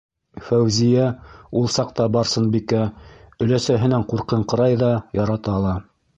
Фәүзиә, ул саҡта Барсынбикә, өләсәһенән ҡурҡыңҡырай ҙа, ярата ла.